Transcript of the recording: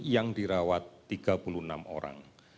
yang dirawat tiga puluh enam orang